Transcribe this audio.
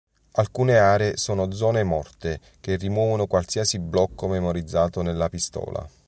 Alcune aree sono zone morte che rimuovono qualsiasi blocco memorizzato nella pistola.